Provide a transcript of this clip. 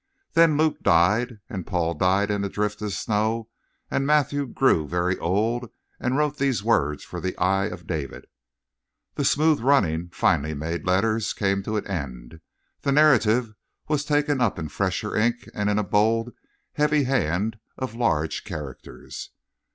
Then Luke died, and Paul died in a drift of snow and Matthew grew very old and wrote these words for the eye of David." The smooth running, finely made letters come to an end, the narrative was taken up in fresher ink and in a bold, heavy hand of large characters.